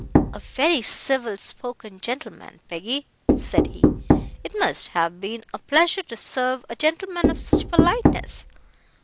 "A very civil spoken gentleman, Peggy," said he. "It must have been a pleasure to serve a gentleman of such politeness."